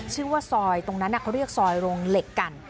ชื่อว่าซอยตรงนั้นเขาเรียกซอยโรงเหล็กกัน